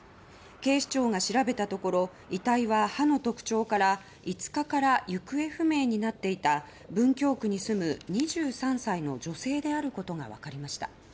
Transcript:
警視庁が調べたところ遺体は、歯の特徴から５日から行方不明になっていた文京区に住む２３歳の女性であることが分かりました。